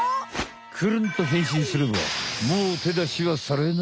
くるんと変身すればもうてだしはされないのさ。